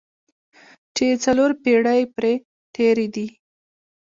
چې څلور پېړۍ پرې تېرې دي.